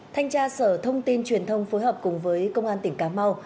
thanh tra sở thông tin truyền thông phối hợp cùng với công an tỉnh cà mau